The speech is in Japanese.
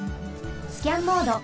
スキャンモード。